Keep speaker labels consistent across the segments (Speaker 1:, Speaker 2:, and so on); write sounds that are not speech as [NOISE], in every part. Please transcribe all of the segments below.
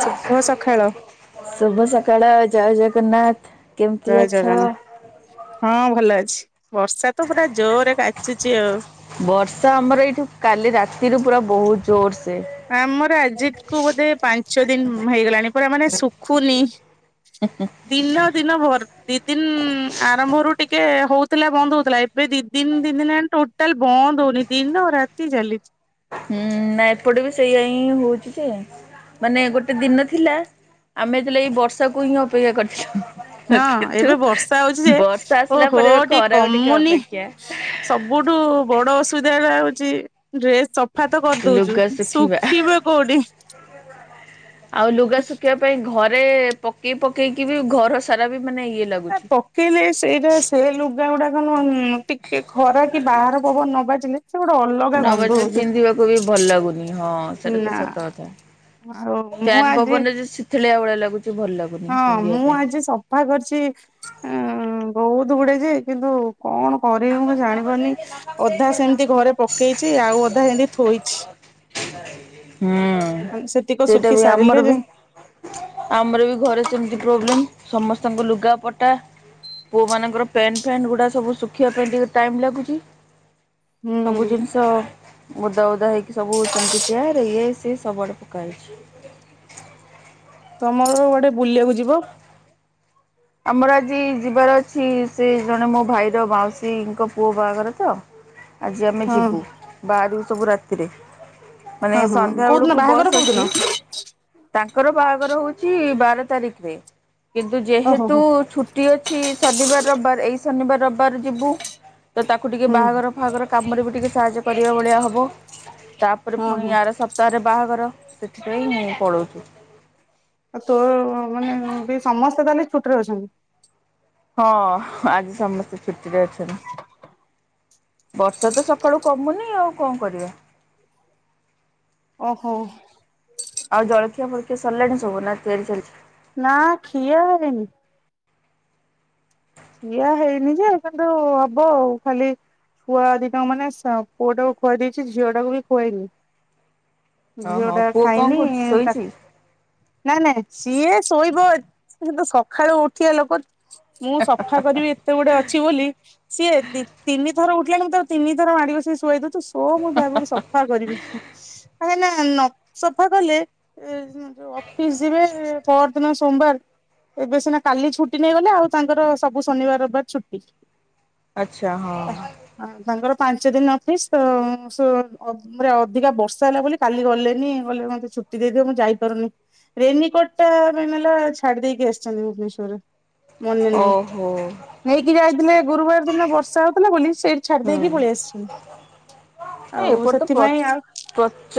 Speaker 1: ଶୁଭ ସକାଳ
Speaker 2: ଶୁଭ ସକାଳ ଜୟ ଜଗନ୍ନାଥ। କେମିତି
Speaker 1: ଜୟ
Speaker 2: ଅଛ?
Speaker 1: ଜଗନ୍ନାଥ ହଁ ଭଲ ଅଛି ବର୍ଷା ତ ପୁରା ଜୋରରେ କାଚୁଛି ଆଉ।
Speaker 2: ବର୍ଷା ଆମର ଏଇଠୁ କାଲି ରାତିରୁ ପୁରା ବହୁତ ଜୋରସେ।
Speaker 1: ଆମର ଆଜି କୁ ବୋଧେ ପାଞ୍ଚ ଦିନ ହେଇଗଲାଣି ପୁରା ମାନେ ଶୁଖୁନି। ଦିନ ଦିନ ଭରତି ଦି ଦିନ ଆରମ୍ଭରୁ ଟିକେ ହଉଥିଲା, ବନ୍ଦ ହଉଥିଲା ଏବେ ଦି ଦିନ ତିନ ଦିନ ହେଲାଣି ଟୋଟାଲ ବନ୍ଦ ହଉନି ଦିନ ରାତି ଚାଲିଛି।
Speaker 2: ହୁଁ ନା ଏପଟେ ବି ସେଇଆ ହଁ ହଉଛି ଯେ। ମାନେ ଗୋଟେ ଦିନ ଥିଲା ଆମେ ଯେତେଲେ ଏଇ ବର୍ଷାକୁ ହିଁ ଅପେକ୍ଷା କରିଥିଲୁ।
Speaker 1: ହଁ
Speaker 2: କିନ୍ତୁ
Speaker 1: ଏବେ ବର୍ଷା ହଉଛି ଯେ
Speaker 2: ବର୍ଷା
Speaker 1: ଓ
Speaker 2: ଆସିଲା
Speaker 1: ହୋ
Speaker 2: ପରେ ଏବେ
Speaker 1: ଟିକେ
Speaker 2: ଖରାକୁ
Speaker 1: କମୁନି।
Speaker 2: ଅପେକ୍ଷା
Speaker 1: ସବୁଠୁ ବଡ ଅସୁବିଧା ହେଲା ହଉଛି ଡ୍ରେସ ଚ ଫାତ କରିଦଉଛୁ
Speaker 2: ଲୁଗା ଶୁଖିବା
Speaker 1: ଶୁଖିବେ କୋଉଠି?
Speaker 2: ଆଉ ଲୁଗା ଶୁଖିବା ପାଇଁ ଘରେ ପକେଇ ପକେଇକି ବି ଘର ସାରା ବି ମାନେ ଇଏ ଲାଗୁ
Speaker 1: ହଁ ତ କଲେ ସେଇଟା ସେ ଲୁଗା ଗୁଡା କଣ ଟିକେ ଖରା କି ବାହାର ପବନ ନ ବାଜିଲେ? ସେଗୁଡା ଅଲ
Speaker 2: ନଅ ବାଜିଲେ ପିନ୍ଧିବାକୁ ବି ଭଲ ଲାଗୁନି ହଁ ସେଇଟା ତ
Speaker 1: ନା
Speaker 2: ସତ କଥା।
Speaker 1: ଆଉ ମୁଁ
Speaker 2: ଫ୍ୟାନ
Speaker 1: ଆଜି
Speaker 2: ପବନ ରେ ଯେ ଶୁକୁଲା ଭଳିଆ ଲାଗୁଛି ଭଲ ଲାଗୁଛି।
Speaker 1: ହଁ ମୁଁ ଆଜି ସଫା କରିଛି ବହୁତ ଗୁଡେ ଯେ କିନ୍ତୁ କଣ କରିବି ମୁଁ ଜାଣିପାରୁନି ଅଧା ସେମିତି ଘରେ ପକେଇଛି ଆଉ ଅଧା ଏମିତି ଥୋଇଛି।
Speaker 2: ହୁଁ
Speaker 1: ସେତିକ
Speaker 2: ସେଇଟା
Speaker 1: ଶୁଖି
Speaker 2: ବି
Speaker 1: ସାରିଲେ
Speaker 2: ଆମର
Speaker 1: ଯେ
Speaker 2: ବି ଆମର ବି ଘରେ ସେମିତି ପ୍ରୋବ୍ଲେମ ସମସ୍ତଙ୍କୁ ଲୁଗା ପଟା? ପୁଅମାନଙ୍କର ପ୍ୟାଣ୍ଟ ଫ୍ୟାଣ୍ଟ ଗୁଡା ସବୁ ସୁ ଖିବା ପାଇଁ ଟିକେ ଟାଇମ୍ ଲାଗୁଛି ସବୁ
Speaker 1: ହୁଁ
Speaker 2: ଜିନିଷ ଓଦା ଓଦା ହେଇକି ସବୁ ସେମିତି ଚେଆ ଇଏ ସିଏ ସବୁଆଡେ ପକାହେଇଛି।
Speaker 1: ତମର ଗୋଟେ କୁଆଡେ ବୁଲିବାକୁ ଯିବ?
Speaker 2: ଆମର ଆଜି ଯିବାର ଅଛି ସେ ଜଣେ ମୋ ଭାଇର ମାଉଶୀଙ୍କ ପୁଅ ବାହାଘର ତ? ଆଜି ଆମେ
Speaker 1: ହଁ
Speaker 2: ଯିବୁ ବାହାରିବୁ ସବୁ ରାତିରେ।
Speaker 1: ହଁ
Speaker 2: ମାନେ
Speaker 1: ହଁ
Speaker 2: ସନ୍ଧ୍ୟା
Speaker 1: କୋଉଦିନ
Speaker 2: ବଳକୁ
Speaker 1: ବାହାଘର
Speaker 2: ବସ୍
Speaker 1: କୋଉଦିନ
Speaker 2: ଅଛି। ତାଙ୍କର ବାହାଘର ହଉଛି ବାର ତାରିଖରେ କିନ୍ତୁ
Speaker 1: ଓହୋ
Speaker 2: ଯେହେତୁ
Speaker 1: ହୋ
Speaker 2: ଛୁ ଟି ଅଛି ଶନିବାର ରବିବାର ଏଇ ଶନିବାର ରବିବାର ଯିବୁ ତ ତାକୁ ଟିକେ
Speaker 1: ହୁଁ
Speaker 2: ବାହାଘର ଫହାଘର କାମରେ ବି ଟିକେ ସାହାଯ୍ୟ କରିବା ଭଳିଆ ହେବ ତାପରେ
Speaker 1: ହଁ ହଁ
Speaker 2: ପୁଣି ଆର ସ ତାରେ ବାହାଘର ସେଥିପାଇଁ ପଳଉଛି।
Speaker 1: ଆଉ ତା ମାନେ ବି ସମସ୍ତେ ତାହେଲେ ଛୁଟିରେ ଅଛନ୍ତି।
Speaker 2: ହଁ ଆଜି ସମସ୍ତେ ଛୁଟିରେ ଅଛନ୍ତି। ବର୍ଷା ତ ସକାଳୁ କମୁନି ଆଉ କଣ କରିବା?
Speaker 1: ଓହୋ।
Speaker 2: ଆଉ ଜଳଖିଆ ଫଳଖିଆ ସରିଲାଣି ସବୁ ନା ତିଆରି ଚାଲିଛି?
Speaker 1: ନା ଖିଆ ହେଲେନି। ଖିଆ ହେଇନି ଯେ କିନ୍ତୁ ହବ ଆଉ ଖାଲି ଛୁଆ ଦିଟା ମାନେ ପୁଅଟାକୁ ଖୁଆଇ ଦେଇଛି ଝିଅ ଟାକୁ ବି ଖୁଆଇନି।
Speaker 2: ହ
Speaker 1: ଝିଅଟା ଖାଇନି ତାକୁ ନାଇ ନାଇ ସିଏ ଶୋଇବ କିନ୍ତୁ ସକାଳୁ ଉଠିବା ଲୋକ ମୁଁ ସଫା କରିବି ଏତେ ଗୋଟେ ଅଛି ବୋଲି ସିଏ ତିନି ଥର ଉଠିଲାଣି ମୁଁ ତା ତିନି ଥର ମାଡିବ ବସିକି ଶୁଆଇଦଉଛି ତୁ ସୋ ମୁଁ ଭାବୁ ସଫା କରିବି। କଣ ହୁଏ ନା ନ ସଫା କଲେ? ଯୋଉ ଅଫିସ ଯିବେ ପର ଦିନ ସୋମବାର ଏବେ ସିନା କାଲି ଛୁଟି ନେଇଗଲେ ଆଉ ତାଙ୍କର ସବୁ ଶନିବାର ରବିବାର ଛୁଟି।
Speaker 2: ଆଛା ହଁ।
Speaker 1: ଆ ତାଙ୍କର ପାଞ୍ଚ ଦିନ ଅଫିସ ତ ଉଁ ସୋ ଆମର ଅଧିକା ବର୍ଷା ହେଲା ବୋଲି କାଲି ଗଲେନି କହିଲେ ମତେ ଛୁଟି ଦେଇଦିଅ ମୁଁ ଯାଇପାରୁନି। ରେନିକୋଟ ଟା ମେନ୍ ହେଲା ଛାଡି ଦେଇକି ଆସିଛନ୍ତି ଭୁବନେଶ୍ଵରରେ। ମନେ ନାହିଁ।
Speaker 2: ଓହୋ।
Speaker 1: ନେଇକି ଯାଇଥିଲେ ଗୁରୁବାର ଦିନ ବର୍ଷା ହଉଥିଲା ବୋଲି ସେଇଠି ଛାଡି ଦେଇକି ପଳେଇ ଆସିଲେ।
Speaker 2: ଏପଟ ତ ପ୍ର
Speaker 1: ଆଉ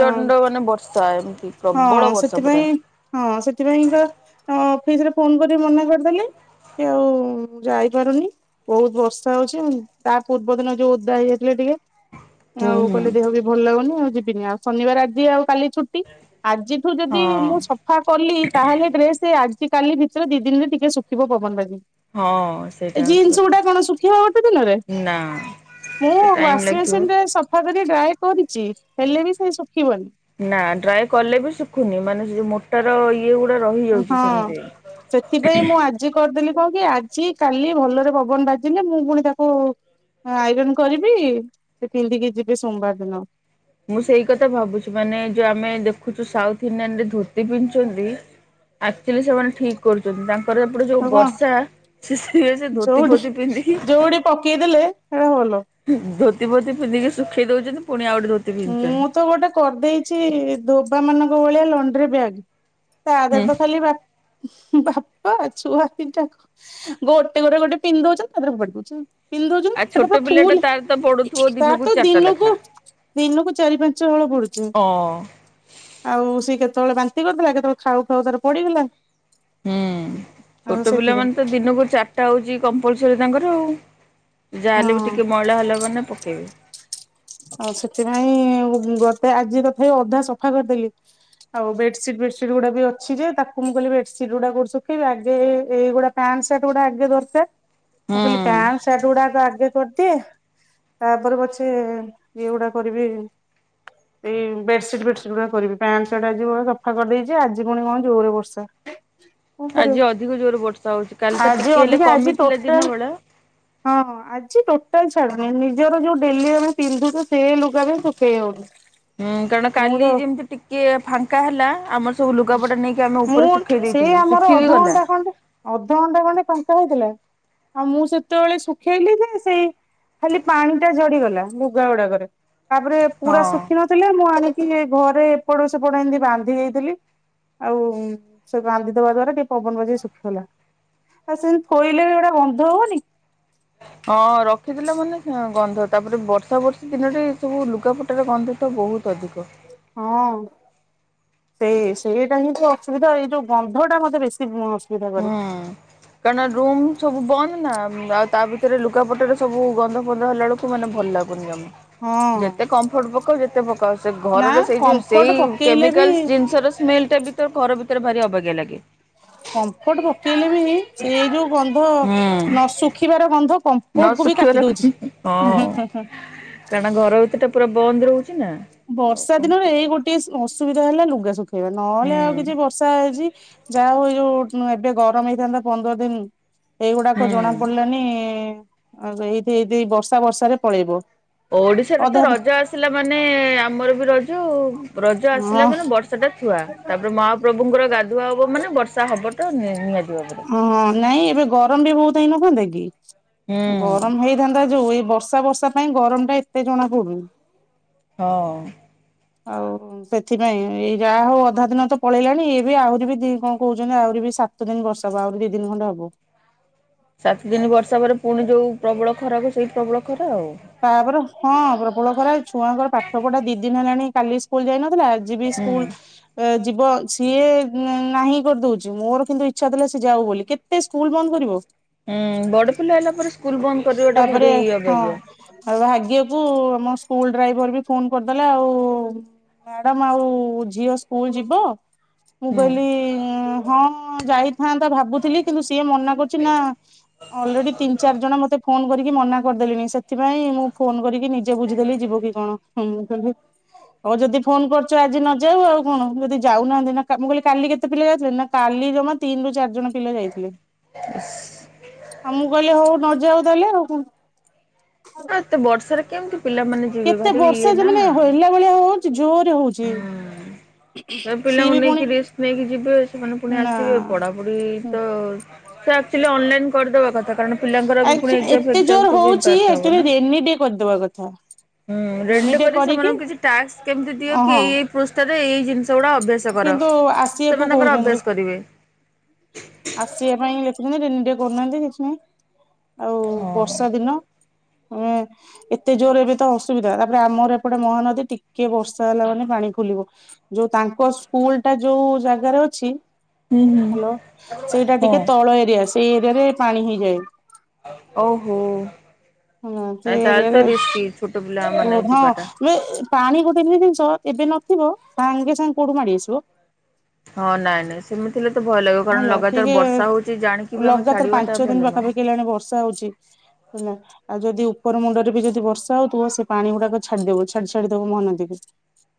Speaker 1: ହଁ
Speaker 2: ମାନେ ବର୍ଷା। ଏମିତି
Speaker 1: ହଁ
Speaker 2: ପ୍ରବଳ ବର୍ଷା
Speaker 1: ସେଥିପାଇଁ
Speaker 2: ପୁରା।
Speaker 1: ହଁ ସେଥିପାଇଁକା ତାଙ୍କ ଅଫିସରେ ଫୋନ କରି ମନା କରିଦେଲେ କି ଆଉ ମୁଁ ଯାଇପାରୁନି ବହୁତ ବର୍ଷା ହଉଛି ଉଁ ତା ପୂର୍ବ ଦିନ ଯୋଉ ଓଦା ହେଇଯାଇଥିଲେ ଟିକେ
Speaker 2: ହୁଁ
Speaker 1: ଆଉ
Speaker 2: ହୁଁ।
Speaker 1: କହିଲେ ଦେହ ବି ଭଲ ଲାଗୁନି ଆଉ ଯିବିନି ଆଉ ଶନିବାର ଆଜି ଆଉ କାଲି ଛୁ ଟି ଆଜିଠୁ ଯଦି
Speaker 2: ହଁ
Speaker 1: ମୁଁ ସ ଫା କଲି ତାହେଲେ ଡ୍ରେସେ ଆଜି କାଲି ଭିତରେ ଦି ଦିନରେ ଟିକେ ଶୁଖିବ ପବନ ବାଜିକିରି।
Speaker 2: ହଁ। ସେଇଟା
Speaker 1: ଏ
Speaker 2: ହଉଛି
Speaker 1: ଜିନ୍ସ
Speaker 2: କଥା
Speaker 1: ଗୁଡା କଣ ଶୁଖିବ ଗୋଟେ ଦିନରେ
Speaker 2: ନା
Speaker 1: ମୁଁ
Speaker 2: ସେ ଟାଇମ୍ ଲାଗିବ।
Speaker 1: ୱାସିଂମେସିନ ରେ ସଫ ଫା କରି ଡ୍ରାଏ କରିଛି ହେଲେ ବି ସେ ଶୁଖିବନି।
Speaker 2: ନା ଡ୍ରାଏ କଲେ ବି ଶିଖୁନି ମାନେ ସେ ଯୋଉ ମୋଟାର ଇ ଇଏ ଗୁଡା ରହିଯାଉଛି
Speaker 1: ହଁ। ସେଥିପାଇଁ
Speaker 2: ସେମିତି।
Speaker 1: ମୁଁ ଆଜି କରିଦେଲି କଣ କି ଆଜି କାଲି ଭଲରେ ପବନ ବାଜିଲେ ମୁଁ ପୁଣି ତାକୁ ହଁ ଆଇରନ୍ କରିବି ସେ ପିନ୍ଧିକି ଯିବେ ସୋମବାର ଦିନ।
Speaker 2: ମୁଁ ସେଇ କଥା ଭାବୁଛି ମାନେ ଯୋଉ ଆମେ ଦେଖୁଛୁ ସାଉଥ ଇଣ୍ଡିଆନ ରେ ଧୋତି ପିନ୍ଧୁଛନ୍ତି ଆକ୍ଚୁଆଲି ସେମାନେ ଠିକ୍। କରୁଛନ୍ତି ତାଙ୍କର ସେପଟେ ଯୋଉ
Speaker 1: ଆଉ କଣ
Speaker 2: ବର୍ଷା ସେ ସେଇ ସେ ଧୋତି
Speaker 1: ଯୋଉଠି
Speaker 2: ଫୋତି ପିନ୍ଧିକି
Speaker 1: ସେଡ଼ା ଭଲ।
Speaker 2: ଧୋତି ଫୋତି ପିନ୍ଧିକି ଶୁଖେଇ ଦଉଛନ୍ତି ପୁଣି ଆଉ ଗଟେ ଧୋ
Speaker 1: ମୁଁ ତ ଗୋଟେ କରିଦେଇଛି ଧୋବା ମାନଙ୍କ ଭଳିଆ ଲଣ୍ଡ୍ରି ବ୍ୟାଗ୍। ତା ଦେହରେ
Speaker 2: ହୁଁ
Speaker 1: ତ ଖାଲି ବା ବାପା ଛୁଆ ଦିଟାକ ଗୋଟେ ପରେ ଗୋଟେ ପିନ୍ଧି ଦଉଛନ୍ତି ତା ଦେହର ଫୋପାଡ଼ି ଦଉଛନ୍ତି।
Speaker 2: ଆଉ
Speaker 1: ପିନ୍ଧିଦଉଛନ୍ତି ସେଟା
Speaker 2: ଛୋଟ
Speaker 1: ପୁରା
Speaker 2: ପିଲାଟା
Speaker 1: ଫୁଲ
Speaker 2: ତାର ତ ପଡୁଥିବ
Speaker 1: ତାର
Speaker 2: ଦିନକୁ
Speaker 1: ତ
Speaker 2: ଚାରିଟା
Speaker 1: ଦିନକୁ
Speaker 2: ଲେଖା।
Speaker 1: ଦିନକୁ ଚାରି ପାଞ୍ଚ ହଳ ପଡୁଛି।
Speaker 2: ଅ
Speaker 1: ଆଉ ସିଏ କେତେବେଳେ ବାନ୍ତି କରିଦେଲା କେତେବେଳେ ଖାଉ ଖାଉ ତାର ପଡିଗଲା
Speaker 2: ହୁଁ
Speaker 1: ଆଉ
Speaker 2: ଛୋଟ
Speaker 1: ସେଥିପାଇଁ
Speaker 2: ପିଲାମାନେ ତ ଦିନକୁ ଚା ଟା ହଉଛି କମ୍ପଲସରୀ ତାଙ୍କର ଆଉ ଯାହା ହେଲେ ବି
Speaker 1: ହଁ
Speaker 2: ଟିକେ ମଇଳା ହେଲା ମାନେ ପକେଇବେ।
Speaker 1: ଆଉ ସେଥିପାଇଁ ଗୋଟେ ଆଜି ତଥାପି ଅଧା ସଫା କରିଦେଲି। ଆଉ ବେଡସିଟ୍ ଫେଡସିଟ ଗୁଡା ବି ଅଛି ଯେ ତାକୁ ମୁଁ କହିଲି ବେଡସିଟ୍ ଗୁଡା କୋଉଠି ସୁଖେଇବା ଆଗେ ଏ ଏଇଗୁଡା ପ୍ୟାଂଟ ଶାର୍ଟ ଗୁଡା ଆଗେ ଦରକାର।
Speaker 2: [INAUDIBLE]
Speaker 1: ମୁଁ କହିଲି ପ୍ୟାଣ୍ଟ ସାର୍ଟ ଗୁଡାକ ଆଗେ କରିଦିଏ ତାପରେ ପଛେ ଏଗୁଡା କରିବି।
Speaker 2: [INAUDIBLE]
Speaker 1: ଏଇ ବେଡସିଟ୍ ଫେଡସିଟ ଗୁଡା କରିବି ପ୍ୟାଣ୍ଟ ସାଟ ଆଜିି ବହେ ସଫା କରିଦେଇଛି ଆଜି ପୁଣି କଣ ଯୋରରେ ବର୍ଷା। କଣ କରିବ
Speaker 2: ଆଜି ଅଧିକ ଜୋରରେ ବର୍ଷା ହଉଛି କାଲି ତ
Speaker 1: ଆଜି
Speaker 2: ଟିକେ ହେଲେ
Speaker 1: ଅଧିକା ଆଜି
Speaker 2: କମିଥିଲା
Speaker 1: ଟୋଟାଲ
Speaker 2: ଦିନ ବେଳେ।
Speaker 1: ହଁ ହଁ ଆଜି ଟୋଟାଲ ଛାଡୁନି ନିଜର ଯୋଉ ଡେଲି ଆମେ ପିନ୍ଧୁଛେ ସେ ଲୁଗା ବି ସୁଖେଇ ହଉନି।
Speaker 2: ହୁଁ କାରଣ
Speaker 1: ମୁଁ
Speaker 2: କାଲି
Speaker 1: ତ
Speaker 2: ଯେମିତି ଟିକେ ଫାଙ୍କା ହେଲା ଆମ ସବୁ ଲୁଗାପଟା ନେଇକି ଆମେ
Speaker 1: ମୁଁ
Speaker 2: ଉପରେ ଶୁଖେଇ
Speaker 1: ସେ
Speaker 2: ଦେଇଥିଲୁ
Speaker 1: ଆମର
Speaker 2: ଶୁଖିବି ଗଲା
Speaker 1: ଅଧଘଣ୍ଟା ଖଣ୍ଡେ ଅଧଘଣ୍ଟା ଖଣ୍ଡେ ଫାଙ୍କା ହେଇଥିଲା ଆଉ ମୁଁ ସେତେବେଳେ ଶୁଖେଇଲି ଯେ ସେ ଖାଲି ପାଣି ଟା ଝଡିଗଲା ଲୁଗା ଗୁଡାକରେ। ତାପରେ ପୁରା
Speaker 2: ହଁ।
Speaker 1: ଶୁଖିନଥିଲା ମୁଁ ଆଣିକି ଘରେ ଏପଟ ସେପଟ ଏମିତି ବାନ୍ଧି ଦେଇଥିଲି ଆଉ ସେ ବାନ୍ଧିଦବା ଦ୍ଵାରା ଟିକେ ପବନ ବାଜି ଶୁଖିଗଲା। ଆଉ ସେମିତି ଥୋଇଲେ ବି ଗୋଟେ ଗନ୍ଧ ହବନି
Speaker 2: ଅଁ ରଖିଦେଲା ମାନେ ଗନ୍ଧ ତାପରେ ବର୍ଷା ବର୍ଷି ଦିନରେ ସବୁ ଲୁଗାପଟାର ଗନ୍ଧ ତ ବହୁତ ଅଧିକ
Speaker 1: ହଁ। ସେ ସେଇଟା ହିଁ ତ ଅସୁବିଧା ଏଇ ଯୋଉ ଗନ୍ଧଟା ମତେ ବେଶୀ ଉଁ ଅସୁବିଧା କରେ।
Speaker 2: ହୁଁ କାରଣ ରୁମ୍ ସବୁ ବନ୍ଦ ନା ତା ଭିତରେ ଲୁଗାପଟାରେ ସବୁ ଗନ୍ଧ ଫନ୍ଧ ହେଲା ବେଳକୁ ମାନେ ଭଲ ଲାଗୁନି ଜମା
Speaker 1: ହଁ
Speaker 2: ଯେତେ କମ୍ଫଟ ପକାଅ ଯେତେ ପକାଅ ସେ
Speaker 1: ନା
Speaker 2: ଘରର ସେଇ ଯୋଉ ସେଇ
Speaker 1: କମ୍ଫର୍ଟ ପକେଇଲେ ବି
Speaker 2: କେମିକାଲ ସେ ଜିନିଷର ସ୍ମେଲ ଟା ବି ଘର ଭିତରେ ଭାରି ଅବାଗ୍ୟା ଲାଗେ।
Speaker 1: କମ୍ଫଟ ପକେଇଲେ ବି ସେ ଯୋଉ ଗନ୍ଧ
Speaker 2: ହୁଁ
Speaker 1: ନ ଶୁଖିବାର ଗନ୍ଧ
Speaker 2: ନ
Speaker 1: କମ୍ଫର୍ଟ କୁ ବି କାଟି
Speaker 2: ଶୁଖିବାର
Speaker 1: ଦଉଛି।
Speaker 2: ହଁ
Speaker 1: ହୁଁ ହୁଁ ହୁଁ ହୁଁ।
Speaker 2: କାରଣ ଘର ଭିତରଟା ପୁରା ବନ୍ଦ ରହୁଛି ନା। ଆଉ
Speaker 1: ବର୍ଷା
Speaker 2: କଣ
Speaker 1: ଦିନରେ ଏଇ
Speaker 2: କରିବ
Speaker 1: ଗୋଟେ ଅସୁବିଧା ହେଲା ଲୁଗା ସ ହେଇ ବା ନହେଲେ
Speaker 2: ହୁଁ
Speaker 1: ଆଉ କିଛି ବର୍ଷା ହେଇଛି ଯାହା ହଉ ଯୋଉ ଏବେ ଗରମ ହେଇଥାନ୍ତା ପନ୍ଦର ଦିନ ଏଇଗୁଡାକ ଜଣା
Speaker 2: ହୁଁ।
Speaker 1: ପଡିଲାନି। ଆଉ ଏଇଠି ଦି ବର୍ଷା ଫର୍ସା ରେ ପଳେଇବ।
Speaker 2: ଓଡିଶାରେ ତ
Speaker 1: ଅଧା
Speaker 2: ରଜ ଆସିଲା ମାନେ ଆମର ବି ରଜ ଆଉ। ରଜ ଆସିଲା
Speaker 1: ହଁ
Speaker 2: ମାନେ ବର୍ଷା ଟା ଥୁଆ ତାପରେ ମହାପ୍ରଭୁଙ୍କର ଗାଧୁଆ ହବ ମାନେ ବର୍ଷା ହବ। ତ [UNINTELLIGIBLE]
Speaker 1: ହଁ ନାଇଁ ଏବେ ଗରମ ବି ବହୁତ ହେଇ ନଥାନ୍ତେ କି
Speaker 2: ହୁଁ
Speaker 1: ଗରମ ହେଇ ଧନ୍ଦା ଯୋଉ ଏଇ ବର୍ଷା ଫର୍ଷା ପାଇଁ ଗରମ ଟା ଏତେ ଜଣା ପଡୁନି।
Speaker 2: ହଁ।
Speaker 1: ଆଉ। ସେଥିପାଇଁ ଏଇ ଯାହା ହଉ ଅଧା ଦିନ ତ ପଳେଇଲାଣି ଏ ବି ଆହୁରି ବି ଦି କଣ କହୁଛନ୍ତି ଆହୁରି ବି ସାତ ସାତ ଦିନ ବର୍ଷା ପା ଆହୁରି ଦି ଦିନ ଖଣ୍ଡେ ହବ।
Speaker 2: ସାତ ଦିନି ବର୍ଷା ପରେ ପୁଣି ଯୋଉ ପ୍ରବଳ ଖରାକୁ ସେଇ ପ୍ରବଳ ଖରା ଆଉ।
Speaker 1: ତାପରେ ହଁ ପ୍ରବଳ ଖରା ଛୁଆଙ୍କର ପାଠ ପଢା ଦି ଦିନ ହେଲାଣି କାଲି ସ୍କୁଲ ଯାଇ ନଥିଲା ଆଜି ବି
Speaker 2: ହୁଁ
Speaker 1: ସ୍କୁଲ ଯିବ ସିଏ ନାହିଁ କରିଦଉଛି। ମୋର କିନ୍ତୁ ଇଚ୍ଛା ଥିଲା ସେ ଯାଉ ବୋଲି କେତେ ସ୍କୁଲ ବନ୍ଦ କରିବ।
Speaker 2: ହୁଁ ବଡ ପିଲା ହେଲା ପରେ ସ୍କୁଲ ବନ୍ଦ କରିବା ଟା
Speaker 1: ତାପରେ
Speaker 2: ଭାରି
Speaker 1: ହଁ
Speaker 2: ଅବାଗ୍ୟା।
Speaker 1: ଆଉ ଭାଗ୍ୟକୁ ଆମ ସ୍କୁଲ ଡ୍ରାଇଭର ବି ଫୋନ କରିଦେଲେ ଆଉ। ମ୍ୟାଡ଼ାମ ଆଉ ଝିଅ ସ୍କୁଲ ଯିବ? ମୁଁ
Speaker 2: ହୁଁ
Speaker 1: କହିଲି ହଁ ଯାଇ ଥାନ୍ତା ଭାବୁଥିଲି କିନ୍ତୁ ସିଏ ମନା କରୁଛି ନା ଅଲରେଡିି ତିନି ଚାରି ଜଣ ମତେ ଫୋନ କରିକି ମନା କରିଦେଲିଣି ସେଥିପାଇଁ ମୁଁ ଫୋନ କରିକି ନିଜେ ସେ ବୁଝିଦେଲେ ଯିବ କି କଣ [UNINTELLIGIBLE] ହଉ ଯଦି ଫୋନ କରୁଛ ଆଜି ନ ଯାଉ ଆଉ କଣ ଯଦି ଯାଉନାହାନ୍ତି ନା ମୁଁ କହିଲି କାଲି କେତେ ପିଲା ଯାଉଥିଲେ ନା କାଲି ଜମା ତିନି ରୁ ଚାରି ଜଣ ପିଲା ଯାଇଥିଲେ। ମୁଁ କହିଲି ହଉ। ନ ଯାଉ ତାହାଲେ ଆଉ କଣ।
Speaker 2: ଆ ଏତେ ବର୍ଷାରେ କେମିତି ପିଲାମାନେ ଯିବେ
Speaker 1: କେତେ
Speaker 2: ଭାରି
Speaker 1: ବର୍ଷା
Speaker 2: ଇଏ
Speaker 1: ଯେ
Speaker 2: ନା।
Speaker 1: ମାନେ ହେଲା ଭଳିଆ ହଉଛି ଜୋରେ ହଉଛି।
Speaker 2: ସେ
Speaker 1: ସିଏ
Speaker 2: ପିଲାଙ୍କୁ
Speaker 1: ବି ପୁଣି
Speaker 2: ନେଇକି ରେଷ୍ଟ ନେଇକି ଯିବେ ସେମାନେ ପୁଣି
Speaker 1: ନା
Speaker 2: ଆସିବେ ପଢାପଢି ତ [UNINTELLIGIBLE] ଅନଲାଇନ କରିଦବା କଥା କାରଣ ପିଲାଙ୍କର [UNINTELLIGIBLE]
Speaker 1: ଏତେ ଜୋର ହଉଛି ଆକ୍ଚୁଆଲି ରେନି ଡେ କରିଦବା କଥା।
Speaker 2: ହୁଁ
Speaker 1: ରେନି
Speaker 2: [UNINTELLIGIBLE]
Speaker 1: ଡେ
Speaker 2: କରି
Speaker 1: କରିକି
Speaker 2: ସେମାନଙ୍କୁ କିଛି ଟାକ୍ସ କେମିତି ଦିଅ କି
Speaker 1: ଓହଁ
Speaker 2: ଏଇ ଏଇ ପୃଷ୍ଠାରେ ଏଇ ଜିନିଷ ଗୁଡା ଅଭ୍ୟାସ କର,
Speaker 1: କିନ୍ତୁ ଆସିବାକୁ
Speaker 2: ସେମାନେ ତାଙ୍କର
Speaker 1: କହୁଛନ୍ତି।
Speaker 2: ଅଭ୍ୟାସ କରିବେ।
Speaker 1: ଆସିବା ପାଇଁ [UNINTELLIGIBLE] କରୁନାହାନ୍ତି କିଛିନାହିଁ, ଆଉ
Speaker 2: ହଁ
Speaker 1: ବର୍ଷା ଦିନ। ହଁ। ଏତେ ଜୋର ଏବେ ତ ଅସୁବିଧା, ତାପରେ ଆମର ଏପଟେ ମହାନଦୀ, ଟିକେ ବର୍ଷା ହେଲା ମାନେ ପାଣି ଖୋଲିବ। ଯୋଉ ତାଙ୍କ ସ୍କୁଲ ଟା ଯୋଉ ଜାଗାରେ ଅଛି
Speaker 2: ହୁଁ ହୁଁ।
Speaker 1: ହ୍ୟାଲୋ ସେଇଟା ଟିକେ
Speaker 2: ହଁ।
Speaker 1: ତଳ ଏରିଆ ସେଇ ଏରିଆ ରେ ପାଣି ହେଇଯାଏ।
Speaker 2: ଓହୋ,
Speaker 1: ହଁ ସେ
Speaker 2: ନାଇ ତାହଲ
Speaker 1: ଏରିଆରେ
Speaker 2: ତରିସ୍କି ଛୋଟ ପିଲ ମନେ
Speaker 1: ହଁ
Speaker 2: ଯିବାଟା।
Speaker 1: [UNINTELLIGIBLE] ପାଣି ଗୋଟେ [UNINTELLIGIBLE] ଜିନିଷ ଏବେ ନଥିବ ସାଙ୍ଗେ ସାଙ୍ଗେ କୋଉଠୁ ମାଡି ଆସିବ।
Speaker 2: ହଁ ନାଇଁ ନାଇଁ ସେମିତିଥିଲେ ତ ଭୟ ଲାଗିବ କାରଣ
Speaker 1: ହେଲା
Speaker 2: ଲଗାତାର
Speaker 1: ଟିକେ
Speaker 2: ବର୍ଷା ହଉଛି ଜାଣିକି ବି ଆମେ
Speaker 1: ଲଗାତାର
Speaker 2: ଛାଡିବା
Speaker 1: ପାଞ୍ଚ
Speaker 2: ଟା
Speaker 1: ଦିନ
Speaker 2: ଭଲ ନୁହଁ।
Speaker 1: ପାଖାପାଖି ହେଲାଣି ବର୍ଷା [UNINTELLIGIBLE] ଆଉ ଯଦି ଉପର ମୁଣ୍ଡରେ ବି ଯଦି ବର୍ଷା ହଉଥିବ ସେ ପାଣି ଗୁଡାକ ଛାଡିଦବ ଛାଡି ଛାଡିଦବ ମହଦୀକୁ।
Speaker 2: [INAUDIBLE]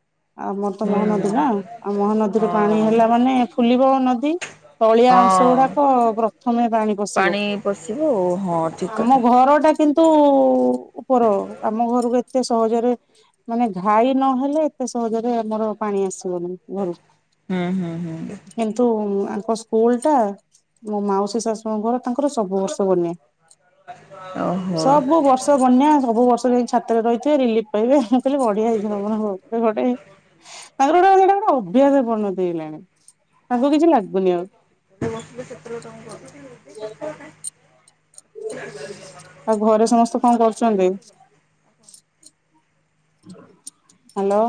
Speaker 1: ଆମର ତ ମହାନଦୀ ନା,
Speaker 2: ହୁଁ
Speaker 1: ଆଉ ମହାନଦୀରେ ପାଣି
Speaker 2: ହଁ।
Speaker 1: ହେଲା ମାନେ ଫୁଲିବ ନଦୀ। ତଳିଆ ଅଂଶ ଗୁଡାକ
Speaker 2: ହଁ
Speaker 1: ପ୍ରଥମେ ପାଣି ପଶିବ।
Speaker 2: ପଶିବ ଆଉ ହଁ ଠିକ
Speaker 1: ଆମ
Speaker 2: କଥା।
Speaker 1: ଘରଟା କିନ୍ତୁ ଉପର, ଆମ ଘରକୁ ଏତେ ସହଜରେ ମାନେ ଘାଇ ନହେଲେ ଏତେ ସହଜରେ ଆମର ପାଣି ଆସିବନି
Speaker 2: ହୁଁ ହୁଁ ହୁଁ
Speaker 1: ଘରୁକୁ। କିନ୍ତୁ [UNINTELLIGIBLE] ତାଙ୍କ ସ୍କୁଲ ଟା, ମୋ ମାଉସୀ ଶାଶୁଙ୍କର ତାଙ୍କର ସବୁ ବର୍ଷ ବନ୍ୟା।
Speaker 2: ଓହୋ
Speaker 1: ସବୁ ବର୍ଷ ବନ୍ୟା, ସବୁ ବର୍ଷ ଛାତରେ ରହିଥିବେ, ରିଲିଫ [UNINTELLIGIBLE] ତାଙ୍କର [UNINTELLIGIBLE] ଅଭ୍ୟାସ ପରିଣତି ହେଇଲାଣି, ତାଙ୍କୁ କିଛି ଲାଗୁନି ଆଉ। [INAUDIBLE] ଆଉ ଘରେ ସମସ୍ତେ କଣ କରୁଛନ୍ତି? ହ୍ୟାଲୋ?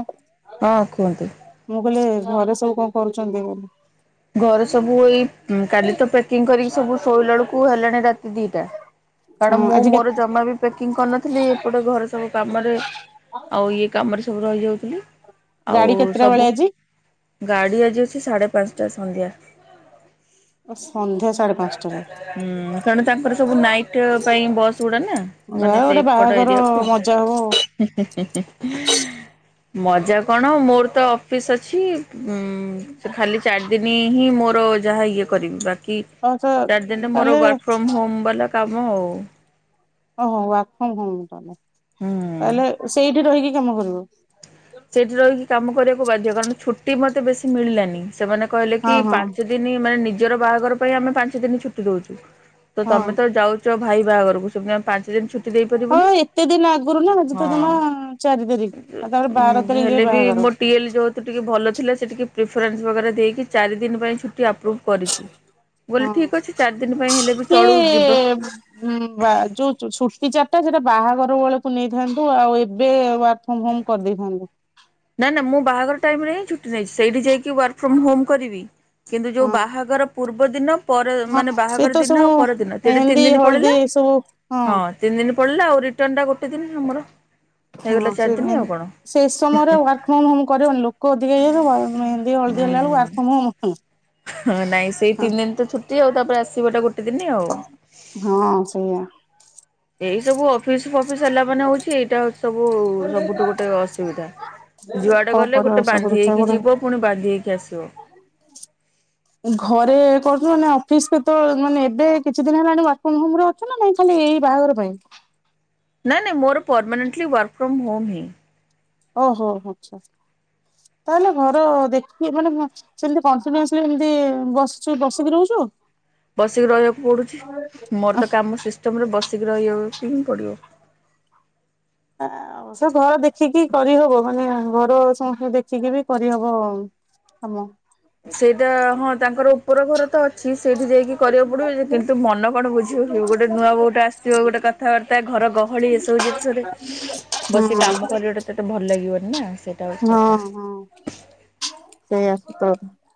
Speaker 2: ହଁ କୁହନ୍ତୁ?
Speaker 1: ମୁଁ କହିଲେ, ଘରେ ସବୁ କଣ କରୁଛନ୍ତି ବୋଲି।
Speaker 2: ଘରେ ସବୁ ଏଇ, [UNINTELLIGIBLE] କାଲି ତ ପ୍ୟାକିଂ କରିକି ସବୁ ଶୋଇଲା ବେଳକୁ ହେଲାଣି ରାତି ଦିଟା।
Speaker 1: ହଁ
Speaker 2: କାରଣ ମୁଁ
Speaker 1: ଆଜି
Speaker 2: ମୋର
Speaker 1: କେତେ
Speaker 2: ଜମା ବି ପ୍ୟାକିଂ କରିନଥିଲି ଏପଟେ ଘରେ ସବୁ କାମରେ, ଆଉ ଇଏ କାମରେ ସବୁ ରହିଯାଉଥିଲି। ଆଉ
Speaker 1: ଗାଡି କେତେଟା ବେଳେ
Speaker 2: ସବୁ
Speaker 1: ଆଜି?
Speaker 2: ଗାଡି ଆଜି ଅସି ସାଢ଼େ ପାଞ୍ଚଟା ସନ୍ଧ୍ୟା।
Speaker 1: ସନ୍ଧ୍ୟା ସାଢେ ପାଞ୍ଚଟାରେ
Speaker 2: ହୁଁ [UNINTELLIGIBLE] ତାଙ୍କର ସବୁ ନାଇଟ୍ ପାଇଁ ବସ୍ ଗୁଡା ନା।
Speaker 1: ଯା
Speaker 2: ମାନେ
Speaker 1: ଗୋଟେ
Speaker 2: ସେଇ ପଟ
Speaker 1: ବାହାଘର
Speaker 2: ଏରିଆକୁ।
Speaker 1: ମଜା ହବ ଆଉ।
Speaker 2: [UNINTELLIGIBLE] ମଜା କଣ, ମୋର ତ ଅଫିସ ଅଛି। [UNINTELLIGIBLE] ଖାଲି ଚାରି ଦିନ ହିଁ ମୋର ଯାହା ଇଏ କରିବି, ବାକି
Speaker 1: ଆଉ ତ
Speaker 2: ଚାରି ଦିନରେ ମୋର
Speaker 1: ତାହେଲେ
Speaker 2: ୱାର୍କ ଫ୍ରମ ହୋମ ବାଲା କାମ ଆଉ।
Speaker 1: ଓହୋ ୱାର୍କ, [UNINTELLIGIBLE]
Speaker 2: ହୁଁ।
Speaker 1: ତାହଲେ ସେଇଠି ରହିକି କାମ କରିବୁ?
Speaker 2: ସେଇଠି ରହିକି କାମ କରିବାକୁ ବାଧ୍ୟ କାରଣ ଛୁଟି ମତେ ବେଶୀ ମିଳିଲାନି, ସେମାନେ କହିଲେ
Speaker 1: ହଁ
Speaker 2: କି
Speaker 1: ହଁ
Speaker 2: ପାଞ୍ଚ ଦିନ ମାନେ ନିଜର ବାହାଘର ପାଇଁ ଆମେ ପାଞ୍ଚ ଦିନ ଛୁଟି ଦଉଛୁ। ତ
Speaker 1: ହଁ
Speaker 2: ତମେ ଯାଉଛ ଭାଇ ବାହାଘରକୁ ସେମିତି ଆମେ ପାଞ୍ଚ ଦିନ ଛୁଟି
Speaker 1: ହଁ
Speaker 2: ଦେଇପାରିବୁନି।
Speaker 1: ଏତେ ଦିନ ଆଗରୁ ନା ଆଜି ତ ଜମା
Speaker 2: [UNINTELLIGIBLE]
Speaker 1: ଚାରି ତାରି ଆଉ ତାପରେ ବାର ତାରିକରେ
Speaker 2: ହେଲେ ବି ମୋ
Speaker 1: ବାହାଘର।
Speaker 2: ଟିଏଲ୍ ଯଉତୁ ଟିକେ ଭଲଥିଲା ସେ ଟିକେ ପ୍ରିଫରେନ୍ସ ବଗେରା ଦେଇକି ଚାରିଦିନ ପାଇଁ ଛୁଟି ଆପ୍ରୁଭ୍ କରି ଚି।
Speaker 1: ହଁ
Speaker 2: ଯିବା।
Speaker 1: ସିଏ ଉଁ ବା ଯୋଉ ଚୁ ଛୁଟି ଚା ଟା ସେଟା ବାହାଘର ବଳୁକୁ ନେଇଥାନ୍ତୁ ଆଉ ଏବେ ୱାର୍କଫ୍ରମ ହୋମ କରିଦେଇଥାନ୍ତୁ।
Speaker 2: ନାଁ ନାଁ ମୁଁ ବାହାଘର ଟାଇମ୍ ରେ ହିଁ ଛୁଟି ନେଇଛି ସେଇଠି ଯାଇକି ୱାର୍କ ଫ୍ରମ ହୋମ କରିବି। କିନ୍ତୁ ଯୋଉ
Speaker 1: ହଁ
Speaker 2: ବାହାଘର ପୂର୍ବଦିନ ପର
Speaker 1: ହଁ
Speaker 2: ମାନେ
Speaker 1: ସେ
Speaker 2: ବାହାଘର
Speaker 1: ତ
Speaker 2: ଦିନ
Speaker 1: ସବୁ
Speaker 2: ଆଉ ପରଦିନ ତେଣେ ତିନି
Speaker 1: ମେହେନ୍ଦୀ
Speaker 2: ଦିନ
Speaker 1: ହଳଦୀ
Speaker 2: ପଳେଇଲା
Speaker 1: ଏ ସବୁ
Speaker 2: ହଁ। ତିନି ଦିନ ପଳେଇଲା ଆଉ ରିଟନଟା ଗୋଟେ ଦିନ ଆମର
Speaker 1: ହଁ
Speaker 2: ହେଇଗଲା
Speaker 1: ସେ
Speaker 2: ଚାରି ଦିନ ଆଉ କଣ।
Speaker 1: ସେ ସମୟରେ ୱାର୍କ ଫ୍ରମ ହୋମ କରିହବନି ଲୋକ ଅଧିକ ହେଇଯାଇଥିବ ମେହେନ୍ଦି ହଳଦୀ ହେଲା ଅଳୁକୁ ୱାର୍କ ଫ୍ରମ୍ ହୋମ୍ ହୁଁ
Speaker 2: ହଁ ନାଇଁ ସେଇ ତିନି ଦିନ ତ ଛୁଟି ଆଉ ତାପରେ ଆସିବାଟା ଗୋ
Speaker 1: ହଁ ସେଇଆ।
Speaker 2: ଏଇ ସବୁ ଅଫିସ୍ ଫଫିସ୍ ହେଲା ମାନେ ହଉଚି ଏଇଟା ହଉଚି ସବୁ ସବୁଠୁ ଗୋଟେ ଅସୁବିଧା। ଯୁଆଡ଼େ
Speaker 1: କଣ
Speaker 2: ଗଲେ
Speaker 1: କରିବ
Speaker 2: ଗୋଟେ
Speaker 1: ସବୁ
Speaker 2: ବାନ୍ଧି
Speaker 1: ଦେଖିବାକୁ
Speaker 2: ହେଇକି
Speaker 1: ପଡିବ
Speaker 2: ଯିବ ପୁଣି ବାନ୍ଧି ହେଇକି ଆସିବ।
Speaker 1: ଘରେ କରଥୁଲୁ ମାନେ ଅଫିସ କେତ ମାନେ ଏବେ କିଛି ଦିନ ହେଲାଣି ୱାର୍କଫ୍ରମ ହୋମ ର ଛ ନା ନାଇଁ ଖାଲି ଏଇ ବାହାଘର ପାଇଁ?
Speaker 2: ନାଇଁ ନାଇଁ ମୋର ପରର୍ମାନେଣ୍ଟଲି ୱାର୍କ ଫ୍ରମ୍ ହୋମ୍ ହିଁ।
Speaker 1: ଓହୋ ହୋ ହୋ ତାହେଲେ ଘର ଦେଖିକି ମାନେ ମୋ ସେମତି କଣ୍ଟିନ୍ୟୁସଲି ସେମତି ବସଚୁ ବସିକି ରହୁଚୁ?
Speaker 2: ବସିକି ରହିବାକୁ ପଡ଼ୁଚି ମୋର ତ କାମ ସିଷ୍ଟମରେ ବସିକି ରହିବାକୁ ହିଁ ପଡ଼ିବ।
Speaker 1: ଆ ଅବଶ୍ୟ ଘର ଦେଖିକି କରିହବ ମାନେ ଘର ସମସ୍ତଙ୍କୁ ଦେଖିକି ବି କରିହବ ଆଉ। ହବ।
Speaker 2: ସେଇଟା ହଁ ତାଙ୍କର ଉପର ଘର ତ ଅଛି ସେଇଠି ଯାଇକି କରିବାକୁ ପଡ଼ିବ ଯେ କିନ୍ତୁ ମନ କଣ ବୁଝିବ କି ଗୋଟେ ନୂଆ ବୋଉଟେ ଆସିଥିବ ଗୋଟେ କଥାବାର୍ତ୍ତା ଘର ଗ ହଳି ଏସବୁ ଜିନିଷରେ
Speaker 1: ହୁଁ
Speaker 2: ବସିି କାମ କରିବାଟା ତତେ ଭଲ ଲାଗିବନି ନାଁ ସେଇଟା ହଉଚି
Speaker 1: ହଁ
Speaker 2: କଥା।
Speaker 1: ହଁ ସେଇଆ ତ।